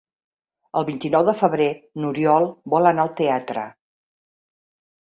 El vint-i-nou de febrer n'Oriol vol anar al teatre.